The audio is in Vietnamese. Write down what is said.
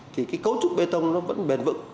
thì cái cấu trúc bê tông nó vẫn bền vững